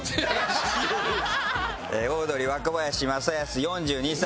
オードリー若林正恭４２歳。